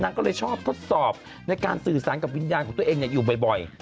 ก็เลยชอบทดสอบในการสื่อสารกับวิญญาณของตัวเองอยู่บ่อย